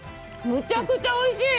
めちゃくちゃおいしい！